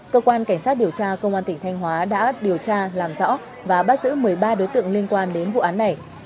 cơ quan cảnh sát điều tra công an tỉnh thanh hóa đã điều tra làm rõ và bắt giữ một mươi ba đối tượng liên quan đến vụ án này